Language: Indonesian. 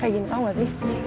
eh jangan marah